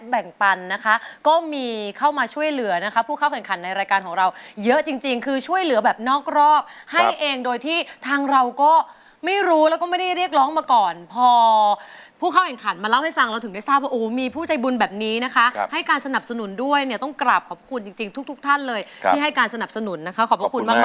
แบ่งปันนะคะก็มีเข้ามาช่วยเหลือนะคะผู้เข้าแข่งขันในรายการของเราเยอะจริงคือช่วยเหลือแบบนอกรอบให้เองโดยที่ทางเราก็ไม่รู้แล้วก็ไม่ได้เรียกร้องมาก่อนพอผู้เข้าแข่งขันมาเล่าให้ฟังเราถึงได้ทราบว่าโอ้โหมีผู้ใจบุญแบบนี้นะคะให้การสนับสนุนด้วยเนี่ยต้องกราบขอบคุณจริงทุกทุกท่านเลยที่ให้การสนับสนุนนะคะขอบพระคุณมาก